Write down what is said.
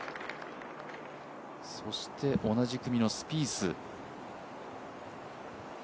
そして同じ組のスピース。